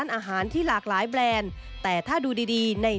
เป็นอย่างไรนั้นติดตามจากรายงานของคุณอัญชาฬีฟรีมั่วครับ